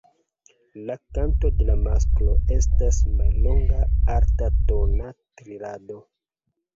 La kanto de la masklo estas mallonga altatona trilado.